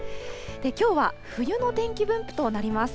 きょうは冬の天気分布となります。